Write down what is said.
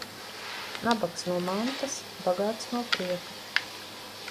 Nabags no mantas, bagāts no prieka.